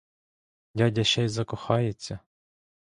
Дядя ще й закохається?